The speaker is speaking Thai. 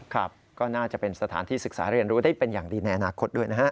ครับก็น่าจะเป็นสถานที่ศึกษาเรียนรู้ได้เป็นอย่างดีในอนาคตด้วยนะฮะ